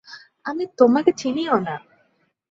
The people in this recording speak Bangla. আমি তোমাকে চিনিও না!